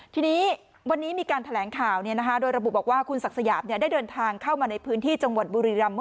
ทีนี้วันนี้มีการแถลงข่าวโดยระบุบอกว่าคุณศักดิ์สยามได้เดินทางเข้ามาในพื้นที่จังหวัดบุรีรำ